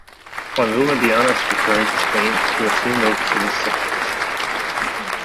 On Villmediana's return to Spain, he was soon noted as a satirist.